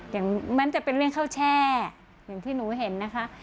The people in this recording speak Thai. มันจะเป็นเรื่องข้าวแช่อย่างที่หนูเห็นนะคะ